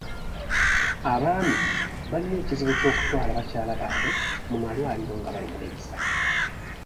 Abaami balina ekizibu ky'okutwala bakyala baabwe mu malwaliro nga balumwa ebisa.